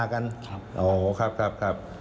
อ๋อครับครับ